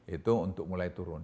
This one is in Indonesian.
itu untuk mulai turun